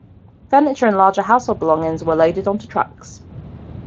Furniture and larger household belongings were loaded onto trucks.